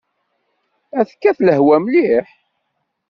Ad tekkat lehwa mliḥ.